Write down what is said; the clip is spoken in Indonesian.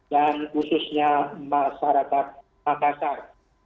dan khususnya masyarakat makassar